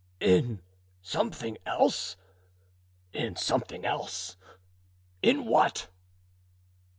"In something else—in something else? In what?"